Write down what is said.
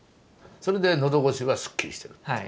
それで喉越しがすっきりしてるっていう。